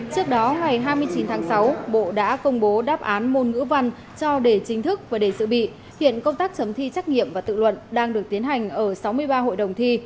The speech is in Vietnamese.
trước đó ngày hai mươi chín tháng sáu bộ đã công bố đáp án môn ngữ văn cho đề chính thức và đề dự bị hiện công tác chấm thi trắc nghiệm và tự luận đang được tiến hành ở sáu mươi ba hội đồng thi